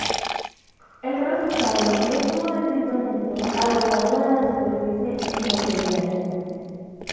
El resultado es un movimiento neto a lo largo de la superficie endotelial.